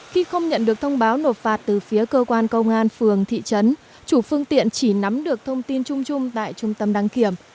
khi không nhận được thông báo nộp phạt từ phía cơ quan công an phường thị trấn chủ phương tiện chỉ nắm được thông tin chung chung tại trung tâm đăng kiểm